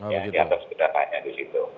ya di atas kedatanya di situ